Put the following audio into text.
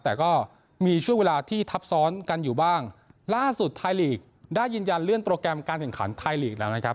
แต่ก็มีช่วงเวลาที่ทับซ้อนกันอยู่บ้างล่าสุดไทยลีกได้ยืนยันเลื่อนโปรแกรมการแข่งขันไทยลีกแล้วนะครับ